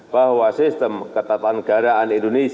dan penerangan kehidupan